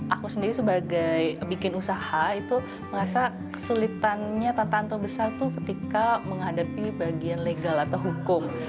aku sendiri sebagai bikin usaha itu merasa kesulitannya tatan terbesar itu ketika menghadapi bagian legal atau hukum